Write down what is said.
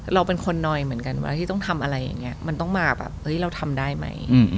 เราเป็นคนนอยเหมือนกันเวลาที่ต้องทำอะไรอย่างนี้มันต้องมาแบบเฮ้ยเราทำได้ไหม